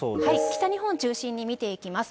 北日本を中心に見ていきます。